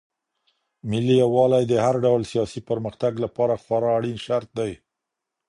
ملي يووالی د هر ډول سياسي پرمختګ لپاره خورا اړين شرط دی.